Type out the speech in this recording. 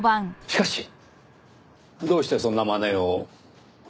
しかしどうしてそんな真似を？